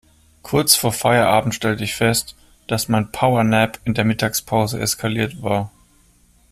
Kurz vor Feierabend stellte ich fest, dass mein Powernap in der Mittagspause eskaliert war.